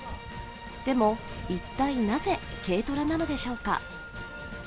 でも、一体なぜ軽トラなのでしょうか。